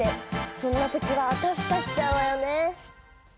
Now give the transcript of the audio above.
そんなときはあたふたしちゃうわよね。